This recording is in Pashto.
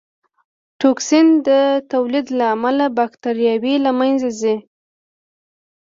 د ټوکسین د تولید له امله بکټریاوې له منځه ځي.